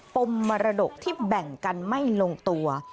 มมรดกที่แบ่งกันไม่ลงตัว